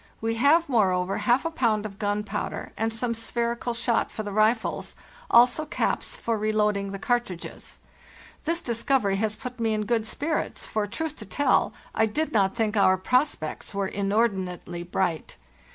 We have, moreover, half a pound of gunpowder and some spherical shot for the rifles, also caps for reloading the cartridges. This discovery has put me in good spirits, for, truth to tell, I did not think our prospects were inordinately bright.